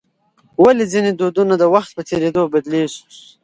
ولې ځینې دودونه د وخت په تېرېدو بدلیږي؟